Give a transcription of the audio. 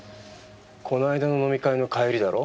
この間の飲み会の帰りだろ